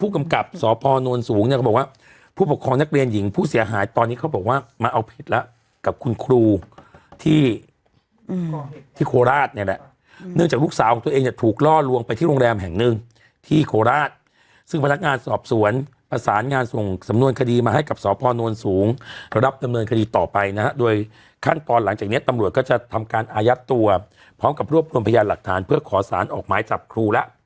อืมที่โคราชเนี้ยแหละเนื่องจากลูกสาวของตัวเองจะถูกล่อลวงไปที่โรงแรมแห่งหนึ่งที่โคราชซึ่งพนักงานสอบสวนประสานงานส่งสำนวนคดีมาให้กับสอบพ่อนวนสูงแล้วรับสำนวนคดีต่อไปนะฮะโดยขั้นตอนหลังจากเนี้ยตำรวจก็จะทำการอายัดตัวพร้อมกับรวบรวมพยานหลักฐานเพื่อขอสารออกหมายจับคร